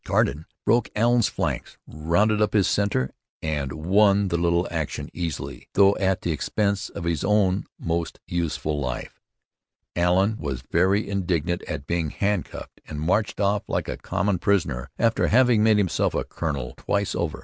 Carden broke Allen's flanks rounded up his centre, and won the little action easily, though at the expense of his own most useful life. Allen was very indignant at being handcuffed and marched off like a common prisoner after having made himself a colonel twice over.